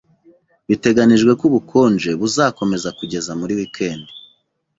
Biteganijwe ko ubukonje buzakomeza kugeza muri wikendi.